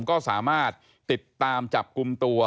ก็สามารถติดตามจับกลุ่มตัว